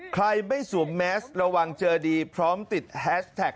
ใครไม่สวมแมสระวังเจอดีพร้อมติดแฮสแท็ก